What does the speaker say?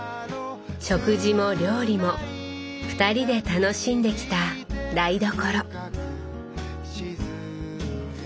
食事も料理も２人で楽しんできた台所。